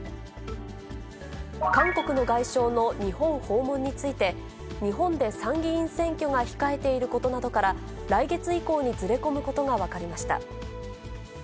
韓国の外相の日本訪問について、日本で参議院選挙が控えていることなどから、来月以降にずれ込むことが分かりました。